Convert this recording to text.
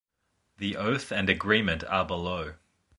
The oath and agreement are below.